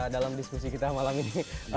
dalam diskusi kita malam ini